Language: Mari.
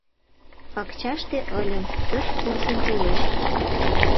— Пакчаште ыльым: тыш куржын толеш.